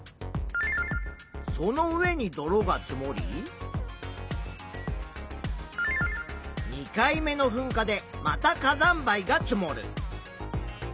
その上に泥が積もり２回目のふんかでまた火山灰が積もる。